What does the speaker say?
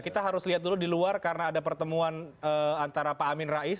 kita harus lihat dulu di luar karena ada pertemuan antara pak amin rais